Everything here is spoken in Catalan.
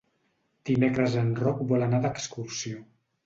Dimecres en Roc vol anar d'excursió.